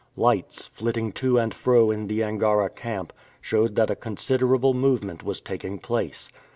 Lights flitting to and fro in the Angara camp, showed that a considerable movement was taking place.